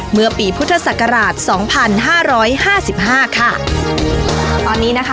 เมื่อปีพุทธศักราชสองพันห้าร้อยห้าสิบห้าค่ะตอนนี้นะคะ